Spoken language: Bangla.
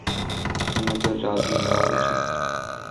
তোমাদের রাজি হওয়া উচিত।